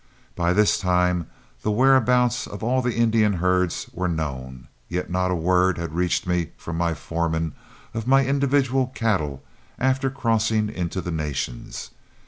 By this time the whereabouts of all the Indian herds were known, yet not a word had reached me from the foreman of my individual cattle after crossing into the Nations.